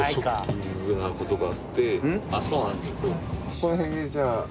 ここらへんでじゃあ。